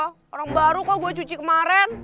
orang baru kok gue cuci kemaren